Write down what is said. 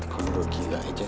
kau luar gila aja